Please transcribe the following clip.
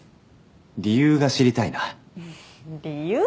理由が知りたいな理由？